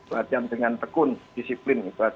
latihan dengan tekun disiplin